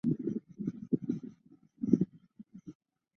绿棱点地梅为报春花科点地梅属下的一个种。